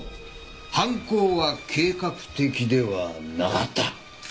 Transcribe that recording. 犯行は計画的ではなかった。